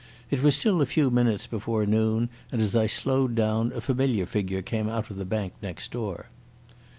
It was still a few minutes before noon, and as I slowed down a familiar figure came out of the bank next door.